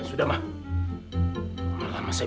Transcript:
udah lah pak